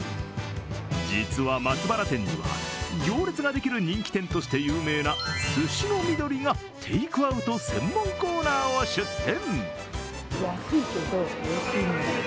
実は松原店には、行列ができる人気店として有名な寿司の美登利がテークアウト専門コーナーを出店。